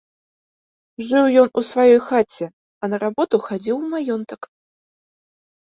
Жыў ён у сваёй хаце, а на работу хадзіў у маёнтак.